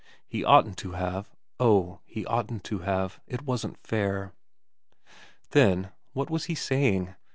He oughtn't to have oh, he oughtn't to have it wasn't fair. ... Then what was he saying